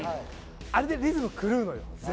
あれでリズム狂うのよ。